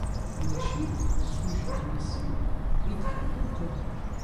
Mačči s ujenwi-nsen i d-ḥellan tamurt.